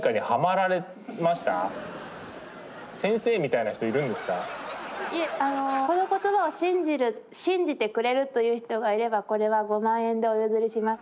いえこの言葉を信じる信じてくれるという人がいればこれは５万円でお譲りします。